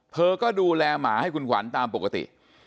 เธอก็ดูแลหมาให้คุณขวัญตามปกติ